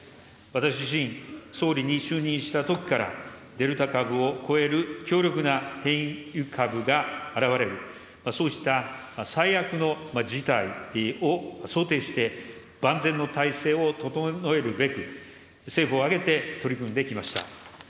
私自身、総理に就任したときからデルタ株を超える強力な変異株が現れる、そうした最悪の事態を想定して、万全の体制を整えるべく、政府を挙げて取り組んできました。